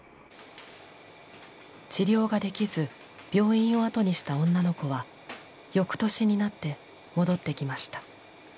治療ができず病院をあとにした女の子は翌年になって戻ってきました。